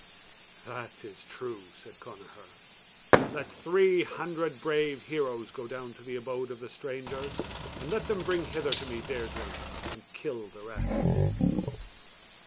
"That is true," said Connachar; "let three hundred bravo heroes go down to the abode of the strangers, and let them bring hither to me Deirdre, and kill the rest."